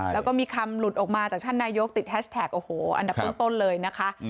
แล้วก็มีคำหลุดออกมาจากท่านนายกติดแฮชแท็กโอ้โหอันดับต้นเลยนะคะ